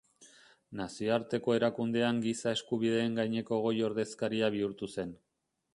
Nazioarteko erakundean Giza eskubideen gaineko Goi Ordezkaria bihurtu zen.